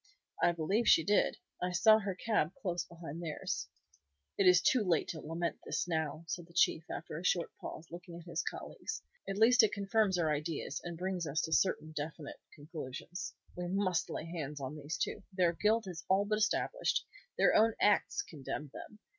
"I believe she did. I saw her cab close behind theirs." "It is too late to lament this now," said the Chief, after a short pause, looking at his colleagues. "At least it confirms our ideas, and brings us to certain definite conclusions. We must lay hands on these two. Their guilt is all but established. Their own acts condemn them.